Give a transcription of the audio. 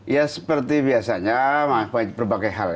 ya seperti biasanya berbagai hal ya